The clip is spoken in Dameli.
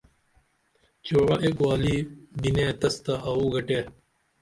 چعوہ اِک والی بینے تس تہ آوو گٹیے